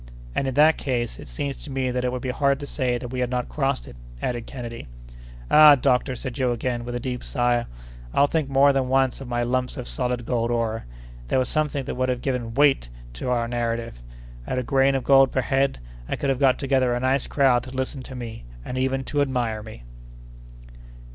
"And, in that case, it seems to me that it would be hard to say that we had not crossed it," added Kennedy. "Ah, doctor!" said Joe again, with a deep sigh, "I'll think more than once of my lumps of solid gold ore! There was something that would have given weight to our narrative! At a grain of gold per head, I could have got together a nice crowd to listen to me, and even to admire me!"